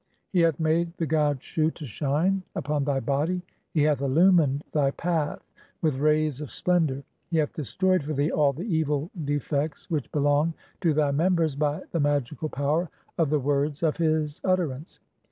He hath made the god Shu to shine "upon thy body ; (9) he hath illumined thy path with rays of "splendour ; he hath destroyed (10) for thee [all] the evil de fects which belong to thy members by (11) the magical power "of the words of his utterance.